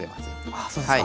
あそうですか。